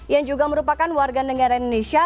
yang juga merupakan warga negara indonesia